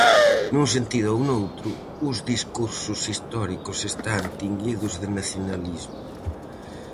Nun sentido ou noutro, os discursos históricos están tinguidos de nacionalismo.